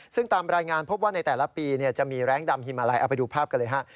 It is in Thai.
ซึ่งตามรายงานพบว่าในแต่ละปีจะมีแรงดำฮิมอะไรเอาไปดูภาพกันเลยฮะ